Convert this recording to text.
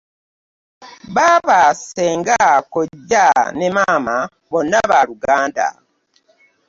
Baaba, Ssenga, Kkojja ne Maama bonna ba Luganda.